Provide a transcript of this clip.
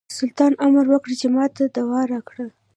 سلطان امر وکړ چې ماته دوا راکړي.